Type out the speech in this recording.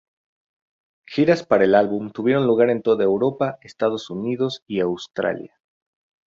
Giras para el álbum tuvieron lugar en toda Europa, Estados Unidos y Australia.